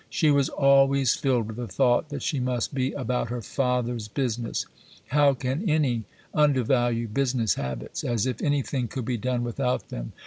She was always filled with the thought that she must be about her "Father's business." How can any undervalue business habits? as if anything could be done without them.